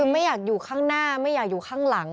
คือไม่อยากอยู่ข้างหน้าไม่อยากอยู่ข้างหลัง